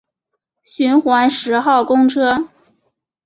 循环十号公车